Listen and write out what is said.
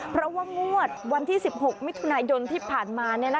เพราะว่างวดวันที่๑๖มิถุนายนที่ผ่านมา